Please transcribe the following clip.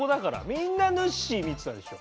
みんなぬっしー見てたでしょ。